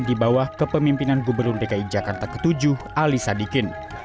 di bawah kepemimpinan gubernur dki jakarta ke tujuh ali sadikin